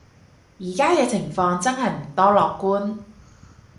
而家嘅情況真係唔多樂觀